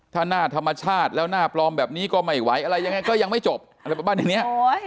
ถ้าหน้าธรรมชาติแล้วหน้าปลอมแบบนี้ก็ไม่ไหวอะไรยังไงก็ยังไม่จบอะไรประมาณอย่างนี้